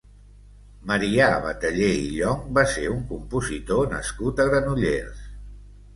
Marià Bataller i Llonch va ser un compositor nascut a Granollers.